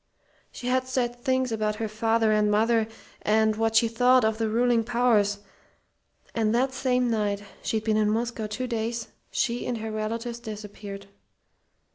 "She had said things about her father and mother, and what she thought of the ruling powers, and that same night she'd been in Moscow two days she and her relatives disappeared.